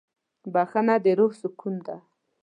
بښنه د روح سکون ده.